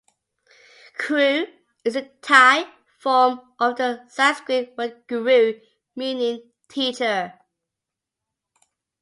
"Khru" is the Thai form of the Sanskrit word guru meaning teacher.